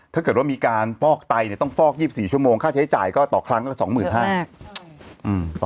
ถ้าเกิดว่ามีการฟอกไตเนี่ยต้องฟอก๒๔ชั่วโมงค่าใช้จ่ายก็ต่อครั้งละ๒๕๐๐บาท